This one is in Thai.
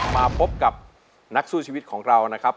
มาพบกับนักสู้ชีวิตของเรานะครับ